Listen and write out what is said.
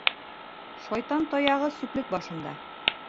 Шайтан таяғы сүплек башында.